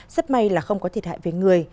rất may là không có thiệt hại về người